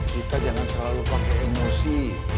kita jangan selalu pakai emosi